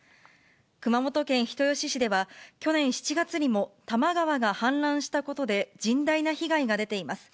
熊本県人吉市では、去年７月にも、球磨川が氾濫したことで甚大な被害が出ています。